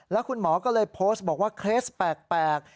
แล้วคุณหมอก็เลยโพสต์บอกว่าเคสแปลก